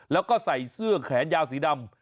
แล้วก็ใส่เสื้อแขนยาวสีดำ